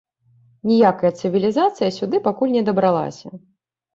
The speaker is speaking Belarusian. Ніякая цывілізацыя сюды пакуль не дабралася.